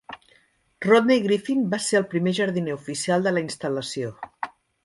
Rodney Griffin va ser el primer jardiner oficial de la instal·lació.